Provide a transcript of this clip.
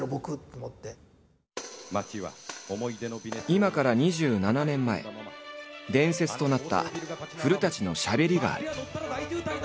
今から２７年前伝説となった古のしゃべりがある。